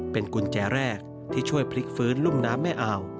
เป็นกุญแจแรกที่ช่วยพลิกฟื้นลุ่มน้ำแม่อ่าว